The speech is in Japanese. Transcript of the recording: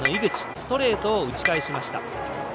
ストレートを打ち返しました。